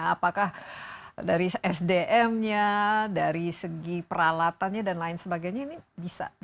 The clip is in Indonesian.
apakah dari sdm nya dari segi peralatannya dan lain sebagainya ini bisa